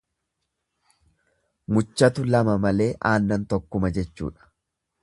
Muchatu lama malee aannan tokkuma jechuudha.